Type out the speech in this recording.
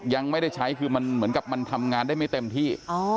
ยังไม่ได้ใช้คือมันเหมือนกับมันทำงานได้ไม่เต็มที่